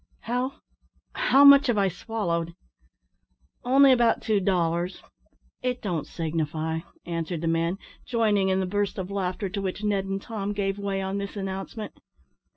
"How how much have I swallowed?" "Only about two dollars it don't signify," answered the man, joining in the burst of laughter to which Ned and Tom gave way on this announcement.